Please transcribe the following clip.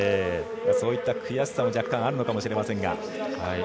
そういった悔しさも若干あるのかもしれませんが。